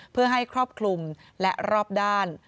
เพื่อให้ครอบคลุมและรอบด้าน